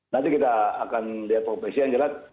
nanti kita akan lihat profesi yang jelas